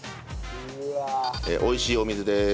美味しいお水です。